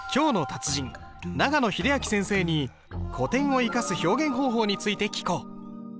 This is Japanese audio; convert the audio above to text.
長野秀章先生に古典を生かす表現方法について聞こう。